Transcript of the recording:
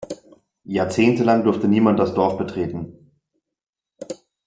Jahrzehntelang durfte niemand das Dorf betreten.